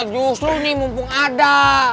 jus lo nih mumpung ada